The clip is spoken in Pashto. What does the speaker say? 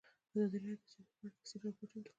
ازادي راډیو د سیاست په اړه تفصیلي راپور چمتو کړی.